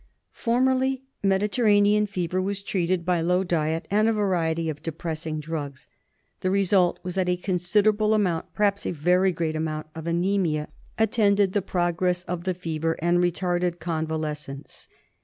Formerly Mediterranean Fever was treated by low diet and a variety of depressing drugs. The result was .that a considerable amount, sometimes a very great amount, of anaemia attended the progress of the fever and retarded convalescence.